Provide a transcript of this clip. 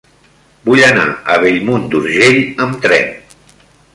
Vull anar a Bellmunt d'Urgell amb tren.